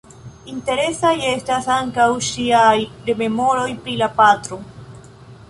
Interesaj estas ankaŭ ŝiaj rememoroj pri la patro.